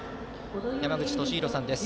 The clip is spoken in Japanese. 山口敏弘さんです。